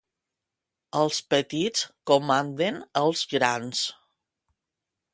Els petits comanden els grans.